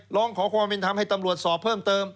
ร้องขอความเป็นธรรมให้ตำรวจสอบเพิ่มเติม